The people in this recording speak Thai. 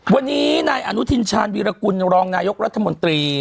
วันนี้นายอนุทินชาญวีรกุลรองนายกรัฐมนตรี